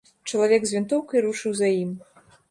Чалавек з вінтоўкай рушыў за ім.